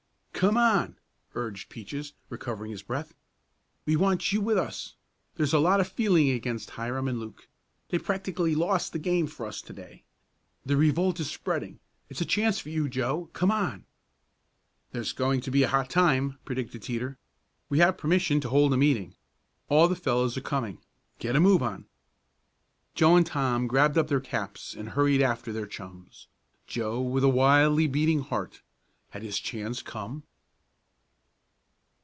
"Come on!" urged Peaches, recovering his breath. "We want you with us. There's a lot of feeling against Hiram and Luke. They practically lost the game for us to day. The revolt is spreading. It's a chance for you, Joe. Come on." "There's going to be a hot time!" predicted Teeter. "We have permission to hold a meeting. All the fellows are coming. Get a move on." Joe and Tom grabbed up their caps and hurried after their chums, Joe with a wildly beating heart. Had his chance come?